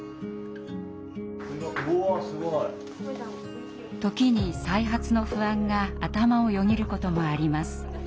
おすごい。時に再発の不安が頭をよぎることもあります。